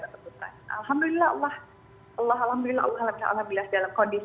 alhamdulillah allah allah alhamdulillah allah alhamdulillah dalam kondisi